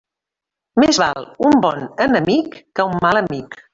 Més val un bon enemic que un mal amic.